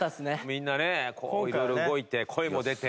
みんなね色々動いて声も出て。